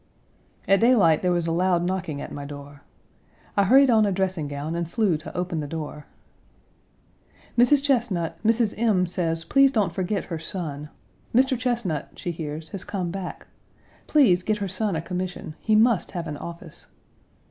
At daylight there was a loud knocking at my door. I hurried on a dressing gown and flew to open the door. "Mrs. Chesnut, Mrs. M. says please don't forget her son. Mr. Chesnut, she hears, has come back. Please get her son a commission. He must have an office."